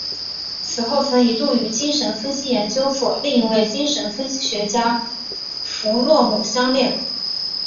此后曾一度与精神分析研究所另一位精神分析学家弗洛姆相恋。